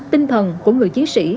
tinh thần của người chiến sĩ